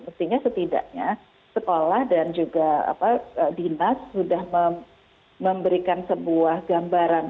mestinya setidaknya sekolah dan juga dinas sudah memberikan sebuah gambaran